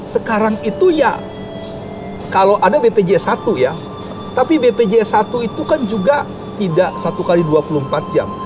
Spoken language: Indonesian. sekarang itu ya kalau ada bpjs satu ya tapi bpjs satu itu kan juga tidak satu x dua puluh empat jam